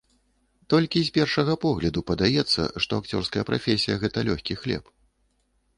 Толькі з першага погляду падаецца, што акцёрская прафесія гэта лёгкі хлеб.